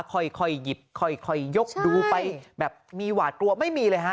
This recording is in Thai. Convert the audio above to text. ค่อยหยิบค่อยยกดูไปแบบมีหวาดกลัวไม่มีเลยฮะ